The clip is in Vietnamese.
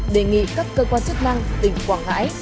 đề nghị các cơ quan chức năng tỉnh quảng ngãi